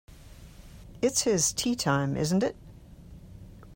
It's his tea-time, isn't it?